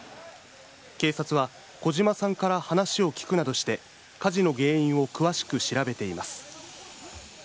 警察は児島さんから話を聞くなどして、火事の原因を詳しく調べています。